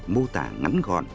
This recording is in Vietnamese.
mô tả ngắn gọn